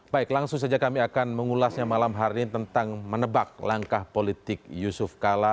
baik langsung saja kami akan mengulasnya malam hari ini tentang menebak langkah politik yusuf kala